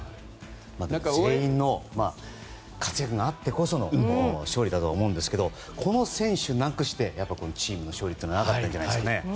全員の活躍があってこその勝利だと思うんですがこの選手なくしてチームの勝利はなかったんじゃないんですかね。